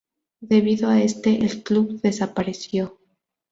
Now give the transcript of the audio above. Debido a esto el club desapareció.